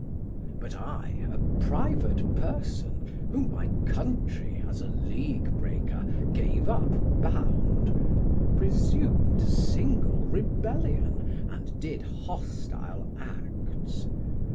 But I a private person, whom my Countrey As a league breaker gave up bound, presum'd Single Rebellion and did Hostile Acts.